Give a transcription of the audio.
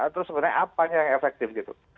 terus sebenarnya apanya yang efektif gitu